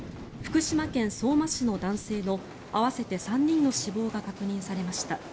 福島県相馬市の男性の合わせて３人の死亡が確認されました。